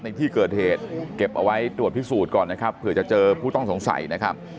ในที่เกิดเหตุเก็บเอาไว้ตรวจพิสูจน์ก่อนนะครับเผื่อจะเจอผู้ต้องสงสัยนะครับ